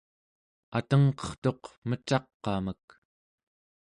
atengqertuq mecaq'amek